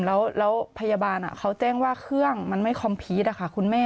แล้วพยาบาลเขาแจ้งว่าเครื่องมันไม่คอมพีชอะค่ะคุณแม่